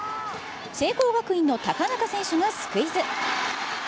聖光学院の高中選手がスクイズ。